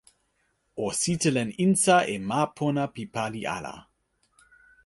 o sitelen insa e ma pona pi pali ala.